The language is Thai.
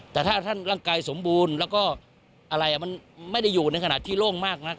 แต่ถ้าท่านร่างกายสมบูรณ์แล้วก็อะไรมันไม่ได้อยู่ในขณะที่โล่งมากนัก